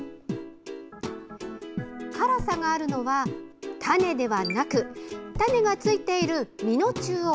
辛さがあるのは種ではなく種がついている実の中央。